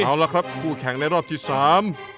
เอาละครับคู่แข่งในรอบที่สาม